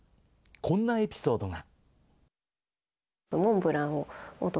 こんなエピソードが。